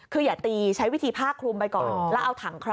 คืออย่าตีใช้วิธีผ้าคลุมไปก่อนแล้วเอาถังเคราะ